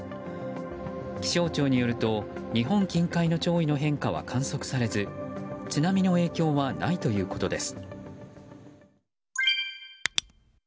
気象庁によると、日本近海の潮位の変化は観測されず津波の影響はないということです。